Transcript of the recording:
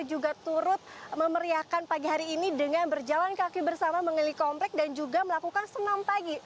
juga turut memeriakan pagi hari ini dengan berjalan kaki bersama mengelilingi komplek dan juga melakukan senam pagi